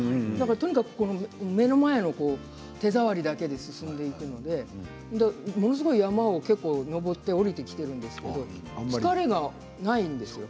とにかく目の前の手触りだけで進んでいくのでものすごい山を結構登って下りてきているんですけれど疲れがないんですよ。